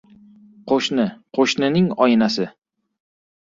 • Qo‘shni ― qo‘shnining oynasi.